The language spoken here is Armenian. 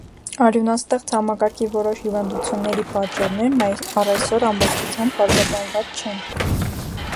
Արյունաստեղծ համակարգի որոշ հիվանդությունների պատճառներն առայսօր ամբողջությամբ պարզաբանված չեն։